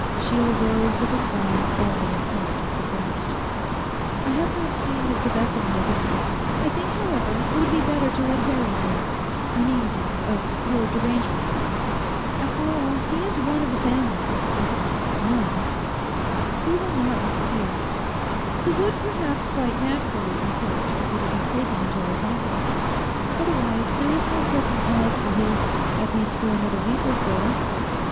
Sheila rose with a sigh only in part suppressed. 'I have not seen Mr Bethany again. I think, however, it would be better to let Harry know; I mean, dear, of your derangement. After all, he is one of the family—at least, of mine. He will not interfere. He would, perhaps quite naturally, be hurt if we did not take him into our confidence. Otherwise there is no pressing cause for haste, at least for another week or so.